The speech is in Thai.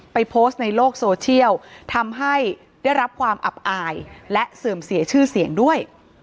โพสต์ในโลกโซเชียลทำให้ได้รับความอับอายและเสื่อมเสียชื่อเสียงด้วย